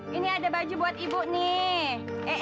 ini ada baju buat ibu nih